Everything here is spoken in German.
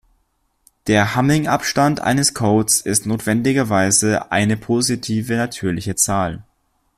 Der Hamming-Abstand eines Codes ist notwendigerweise eine positive natürliche Zahl.